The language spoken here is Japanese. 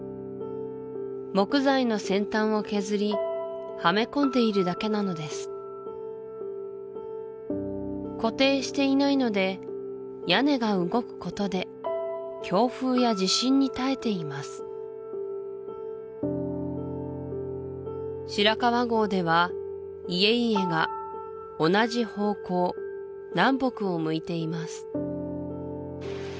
木材の先端を削りはめ込んでいるだけなのです固定していないので屋根が動くことで強風や地震に耐えています白川郷では家々が同じ方向南北を向いています